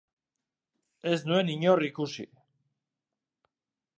Ez nuen inor ikusi.